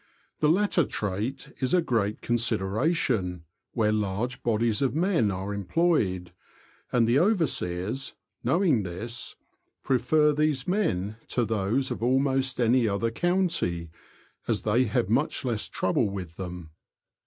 The latter trait is a great consideration where large bodies of men are employed, and the overseers, knowing this, prefer these men to those of almost any other county, as they have much less trouble with them.